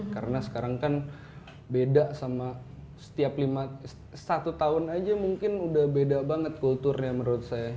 karena sekarang kan beda sama setiap satu tahun aja mungkin udah beda banget kulturnya menurut saya